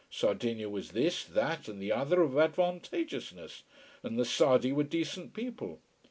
Sardinia was this, that, and the other of advantageousness, and the Sardi were decent people.